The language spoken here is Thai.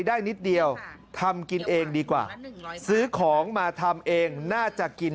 นิดเดียวทำกินเองดีกว่าซื้อของมาทำเองน่าจะกิน